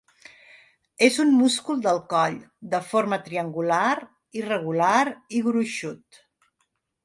És un múscul del coll, de forma triangular, irregular i gruixut.